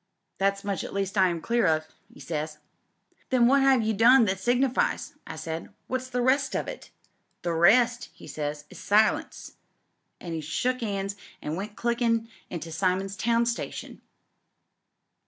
That much at least I am clear of,' 'e says. "'Then what have you done that signifies?' I said. 'What's the rest of it?' "'The rest,' 'e says, 'is silence,' an' he shook 'ands and went clickin' into Simons Town station."